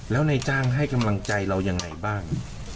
แล้วนายจ้างให้กำลังใจเรายังไงบ้าง